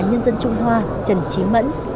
nhân dân trung hoa trần trí mẫn